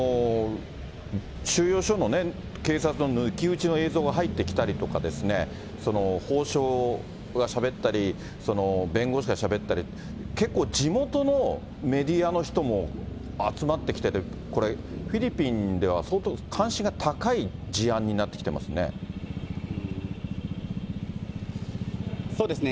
収容所の警察の抜き打ちの映像が入ってきたりとか、法相がしゃべったり、弁護士がしゃべったり、結構、地元のメディアの人も集まってきてる、これ、フィリピンでは相当、関心が高い事案になってきてますね。